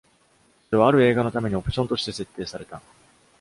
それはある映画のためにオプションとして設定された。